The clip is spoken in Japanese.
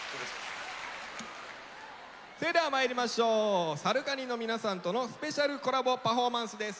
それではまいりましょうＳＡＲＵＫＡＮＩの皆さんとのスペシャルコラボパフォーマンスです。